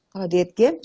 kalau diet game